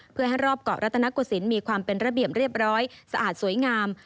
เพื่อให้รอบเกาะรัตนโกศิลป์มีความเป็นระเบียบเรียบร้อยสะอาดสวยงาม